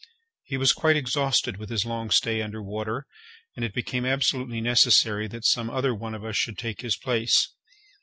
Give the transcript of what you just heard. He was quite exhausted with his long stay under water, and it became absolutely necessary that some other one of us should take his place.